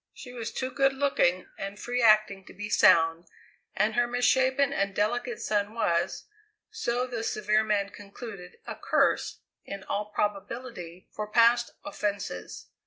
She was too good looking and free acting to be sound; and her misshapen and delicate son was, so the severe man concluded, a curse, in all probability, for past offences.